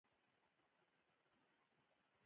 لیدلې په زړه پورې وو.